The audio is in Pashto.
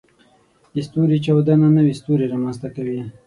د ستوري چاودنه نوې ستوري رامنځته کوي.